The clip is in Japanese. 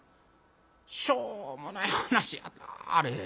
しょうもない噺やなあれ。